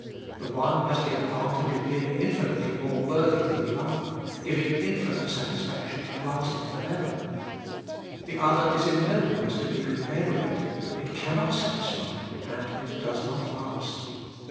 The one has the advantage of being infinitely more worthy than the other — giving infinite satisfac tion, and lasting for ever. The other is in no wise to be compared with it— it cannot satisfy, and it does not last.